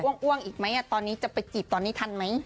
้วงอีกไหมตอนนี้จะไปจีบตอนนี้ทันไหม